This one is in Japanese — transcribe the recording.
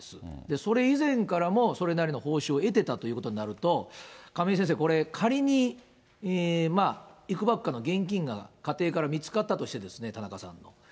それ以前からもそれなりの報酬を得ていたということになると、亀井先生、これ、仮にいくばくかの現金が家庭から見つかったとして、田中さんの。